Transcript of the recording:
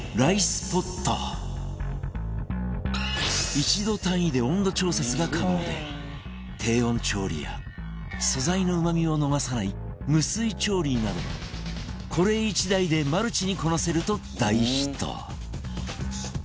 １度単位で温度調節が可能で低温調理や素材のうまみを逃さない無水調理などこれ１台でマルチにこなせると大ヒット